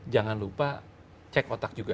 jangan lupa cek otak juga